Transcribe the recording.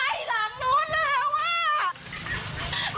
ไหม้หลังไปแล้ว